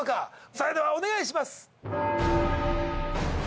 それではお願いします。